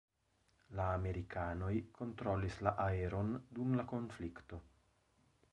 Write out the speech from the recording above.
La amerikanoj kontrolis la areon dum la konflikto.